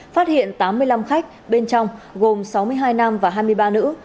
phát hiện tám mươi năm khách bên trong gồm sáu mươi hai nam và hai mươi ba nữ